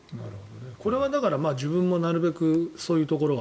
これは自分もなるべくそういうところは。